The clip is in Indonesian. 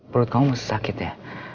perut kamu masih sakit ya